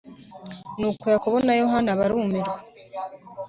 Nuko Yakobo na Yohana barumirwa